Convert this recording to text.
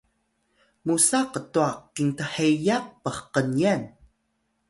musa ktwa kinthiyaq phkngyan?